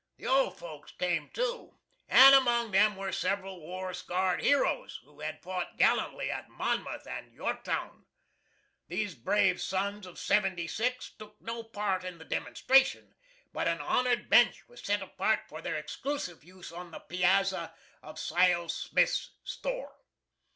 The old folks came, too, and among them were several war scarred heroes, who had fought gallantly at Monmouth and Yorktown. These brave sons of '76 took no part in the demonstration, but an honored bench was set apart for their exclusive use on the piazza of Sile Smith's store.